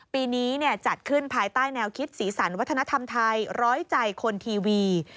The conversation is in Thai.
ปีนี้จัดขึ้นภายใต้แนวคิดสีสันวัฒนธรรมไทยร้อยใจคนทีวี